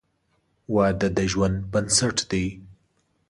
• واده د ژوند بنسټ دی.